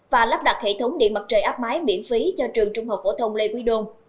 và lắp đặt hệ thống điện mặt trời áp mái miễn phí cho trường trung học phổ thông lê quý đôn